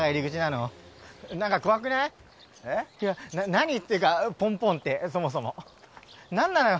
何？っていうかポンポンってそもそも何なのよ